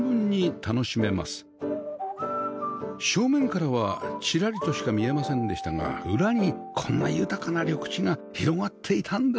正面からはチラリとしか見えませんでしたが裏にこんな豊かな緑地が広がっていたんですね